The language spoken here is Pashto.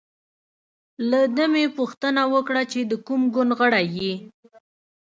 له ده مې پوښتنه وکړه چې د کوم ګوند غړی یې.